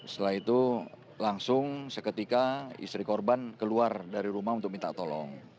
setelah itu langsung seketika istri korban keluar dari rumah untuk minta tolong